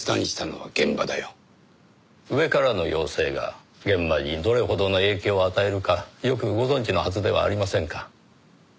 上からの要請が現場にどれほどの影響を与えるかよくご存じのはずではありませんか。